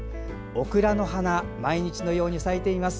オクラの花毎日のように咲いています。